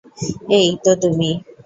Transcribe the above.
এই তো তুমি।